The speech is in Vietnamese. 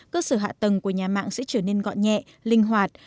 cơ sở hạ tầng của nhà mạng sẽ trở nên gọn nhẹ linh hoạt